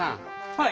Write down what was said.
はい。